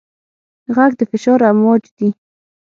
غږ د فشار امواج دي.